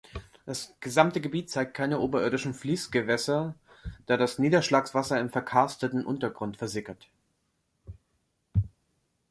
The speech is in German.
Das gesamte Gebiet zeigt keine oberirdischen Fließgewässer, da das Niederschlagswasser im verkarsteten Untergrund versickert.